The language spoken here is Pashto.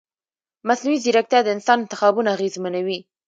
مصنوعي ځیرکتیا د انسان انتخابونه اغېزمنوي.